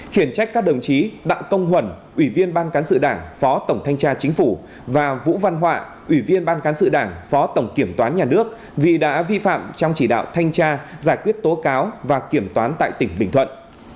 khiển trách các đồng chí đặng công huẩn ủy viên ban cán sự đảng phó tổng thanh tra chính phủ và vũ văn họa ủy viên ban cán sự đảng phó tổng kiểm toán nhà nước vì đã vi phạm trong chỉ đạo thanh tra giải quyết tố cáo và kiểm toán tại tỉnh bình thuận